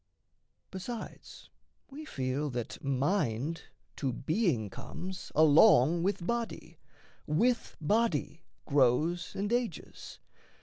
Besides we feel that mind to being comes Along with body, with body grows and ages.